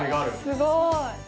すごい。